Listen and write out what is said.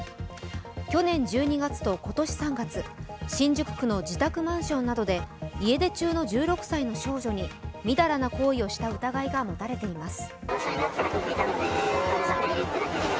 去年１２月と今年３月、新宿区の自宅マンションなどで家出中の１６歳の少女にみだらな行為をした疑いが持たれています。